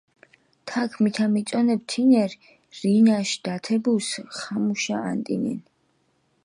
თაქ მითა მიწონებჷ თინერი, რინაშ დათებუს ხამუშა ანტინენ.